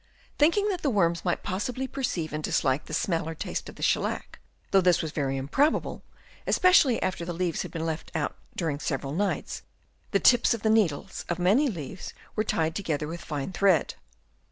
Thinking that the worms might possibly perceive and dislike the smell or taste of the shell lac, though this was very improbable, especially after the Chap. II. THEIR INTELLIGENCE. 79 leaves had been left out during several nights, the tips of the needles of many leaves were tied together with fine thread.